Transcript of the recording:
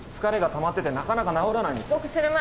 疲れがたまっててなかなか治らないんです。